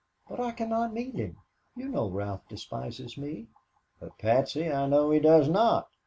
"But I cannot meet him. You know how Ralph despises me?" "But, Patsy, I know he does not.